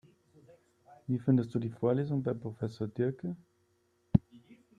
Wie findest du die Vorlesungen bei Professor Diercke?